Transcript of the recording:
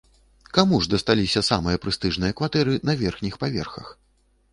Каму ж дасталіся самыя прэстыжныя кватэры на верхніх паверхах?